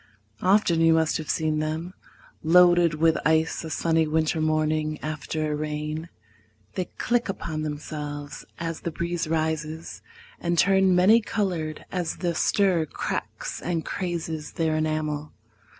Often you must have seen them Loaded with ice a sunny winter morning After a rain. They click upon themselves As the breeze rises, and turn many colored As the stir cracks and crazes their enamel.